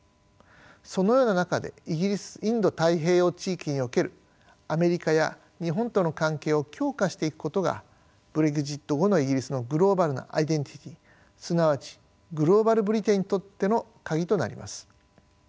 そのような中でイギリスインド太平洋地域におけるアメリカや日本との関係を強化していくことがブレグジット後のイギリスのグローバルなアイデンティティーすなわちグローバル・ブリテンにとっての鍵となります。